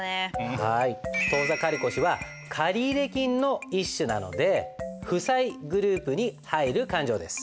当座借越は借入金の一種なので負債グループに入る勘定です。